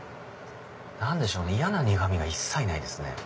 何でしょうね嫌な苦味が一切ないですね。